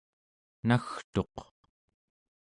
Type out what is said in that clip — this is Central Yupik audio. nagtuq